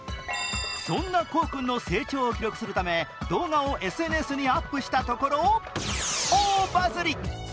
そんなコウ君の成長を記録するため動画をＳＮＳにアップしたところ大バズり。